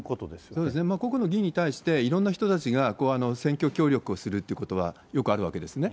そうですね、個々の議員に対して、いろんな人たちが選挙協力をするということは、よくあるわけですよね。